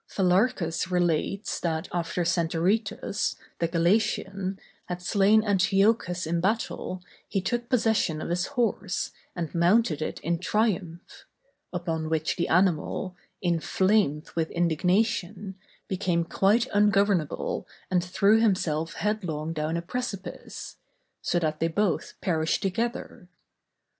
Phylarchus relates, that after Centaretus, the Galatian, had slain Antiochus in battle he took possession of his horse, and mounted it in triumph; upon which the animal, inflamed with indignation, became quite ungovernable and threw himself headlong down a precipice, so that they both perished together.